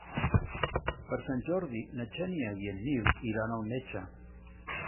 Per Sant Jordi na Xènia i en Nil iran al metge.